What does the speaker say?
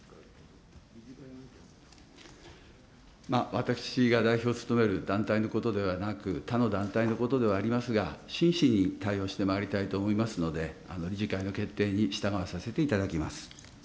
私が代表を務める団体のことではなく、他の団体のことではありますが、真摯に対応してまいりたいと思いますので、理事会の決定に従わさせていただきます。